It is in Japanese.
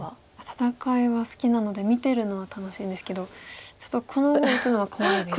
戦いは好きなので見てるのは楽しいんですけどちょっとこの碁を打つのは怖いです。